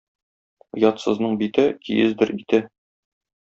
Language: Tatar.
Оятсызның бите — киездер ите.